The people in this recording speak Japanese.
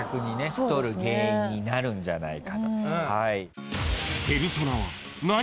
太る原因になるんじゃないかと。